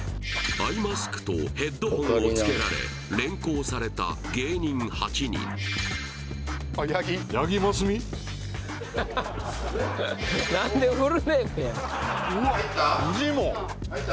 アイマスクとヘッドホンをつけられ連行された芸人８人入った？